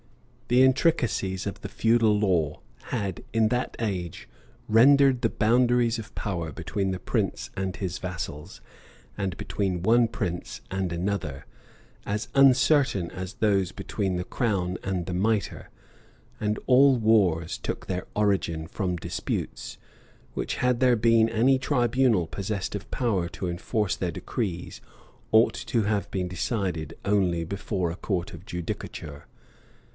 {1167.} The intricacies of the feudal law had, in that age, rendered the boundaries of power between the prince and his vassals, and between one prince and another, as uncertain as those between the crown and the mitre; and all wars took their origin from disputes, which, had there been any tribunal possessed of power to enforce their decrees, ought to have been decided only before a court of judicature.